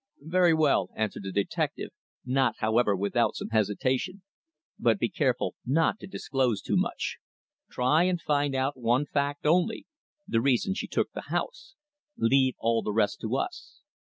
"Very well," answered the detective, not, however, without some hesitation. "But be careful not to disclose too much. Try and find out one fact only the reason she took the house. Leave all the rest to us."